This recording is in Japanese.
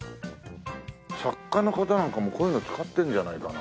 作家の方なんかもこういうの使ってるんじゃないかな。